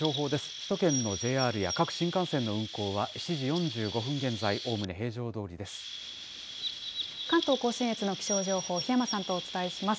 首都圏のＪＲや各新幹線の運行は、７時４５分現在、おおむね平常ど関東甲信越の気象情報、檜山さんとお伝えします。